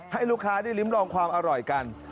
ให้ลูกค้าได้ริมลองความอร่อยกัน